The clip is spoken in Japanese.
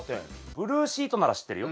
ブルーシートなら知ってるよ。